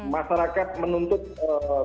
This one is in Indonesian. masyarakat menuntut eee